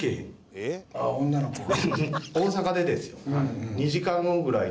女の子が？